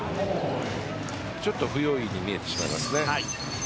ちょっと不用意に見えてしまいますね。